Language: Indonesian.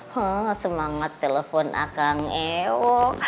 hm semangat telepon akan ngewok